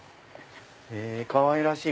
かわいらしい！